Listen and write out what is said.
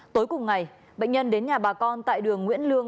tối cùng ngày bệnh nhân đến nhà bà con tại đường nguyễn lương